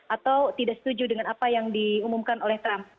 atau tidak setuju dengan apa yang diumumkan oleh trump